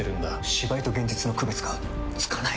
芝居と現実の区別がつかない！